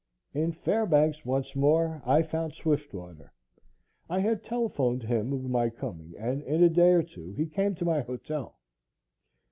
In Fairbanks once more, I found Swiftwater. I had telephoned him of my coming, and in a day or two he came to my hotel.